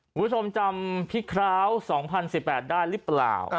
คุณผู้ชมจำพี่คร้าว๒๐๑๘ได้หรือเปล่า